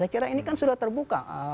saya kira ini kan sudah terbuka